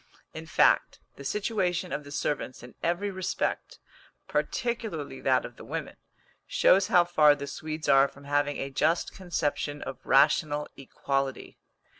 In fact, the situation of the servants in every respect, particularly that of the women, shows how far the Swedes are from having a just conception of rational equality.